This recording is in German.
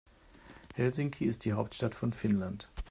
Helsinki ist die Hauptstadt von Finnland.